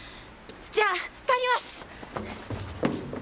じゃあ帰ります！